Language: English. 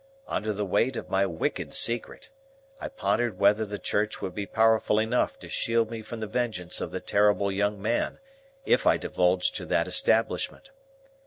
Under the weight of my wicked secret, I pondered whether the Church would be powerful enough to shield me from the vengeance of the terrible young man, if I divulged to that establishment.